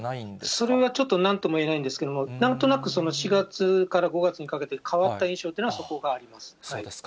それはちょっとなんとも言えないんですけれども、なんとなく４月から５月にかけて変わった印象というのは、そこがそうですか。